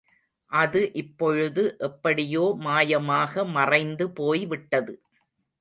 அது இப்பொழுது எப்படியோ மாயமாக மறைந்துபோய்விட்டது.